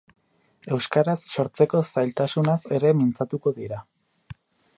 Euskaraz sortzeko zailtasunaz ere mintzatuko dira.